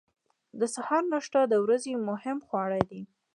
د سهار ناشته د ورځې مهم خواړه دي.